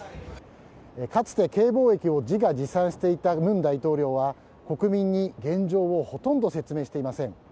かつてＫ防疫を自画自賛していた文大統領は国民に現状をほとんど説明していません。